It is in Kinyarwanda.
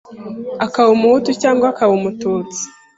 akaba Umuhutu cyangwa Umututsi,